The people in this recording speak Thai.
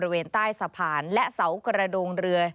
เห็นใต้สะพานและเสากระโดงเรือ